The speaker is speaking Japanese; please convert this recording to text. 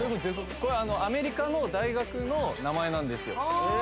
これアメリカの大学の名前なんですよ